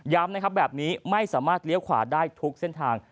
นะครับแบบนี้ไม่สามารถเลี้ยวขวาได้ทุกเส้นทาง